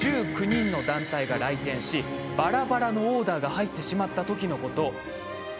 １９人の団体が来店しばらばらのオーダーが入ってしまったときのこと。